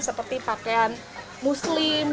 seperti pakaian muslim